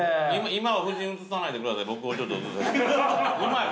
◆今は夫人、映さないでください。